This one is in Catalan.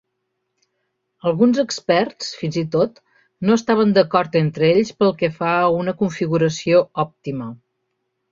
Alguns experts, fins i tot, no estaven d'acord entre ells pel que fa a una configuració òptima.